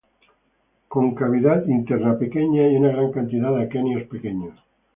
Con cavidad interna pequeña y una gran cantidad de aquenios pequeños.